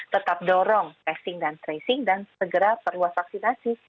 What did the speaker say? tetap dorong testing dan tracing dan segera perluas vaksinasi